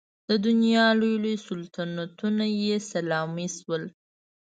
د دنیا لوی لوی سلطنتونه یې سلامي شول.